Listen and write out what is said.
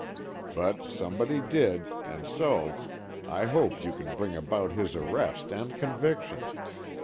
But somebody did, and so, I hope you can bring about his arrest and conviction.